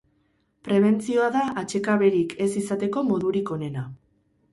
Prebentzioa da atsekaberik ez izateko modurik onena.